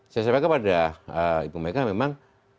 saya sampaikan kepada ibu mega memang